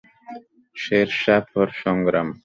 Sher Shah for সংগ্রাম!